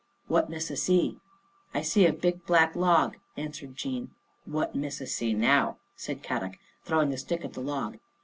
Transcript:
" What Missa see?" 11 I see a big black log," answered Jean. "What Missa see now," said Kadok, throw ing a stick at the log.